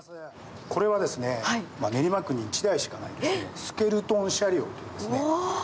これは練馬区に１台しかないスケルトン車両といいますね。